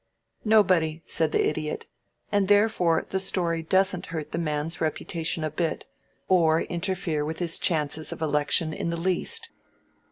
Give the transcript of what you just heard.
"Nobody," said the Idiot; "and therefore the story doesn't hurt the man's reputation a bit, or interfere with his chances of election in the least.